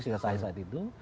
sejak saat itu